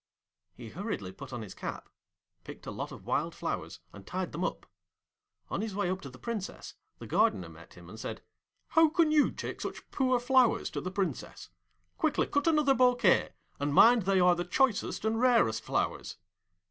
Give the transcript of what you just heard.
He hurriedly put on his cap, picked a lot of wild flowers, and tied them up. On his way up to the Princess, the Gardener met him, and said, 'How can you take such poor flowers to the Princess? Quickly cut another bouquet, and mind they are the choicest and rarest flowers.'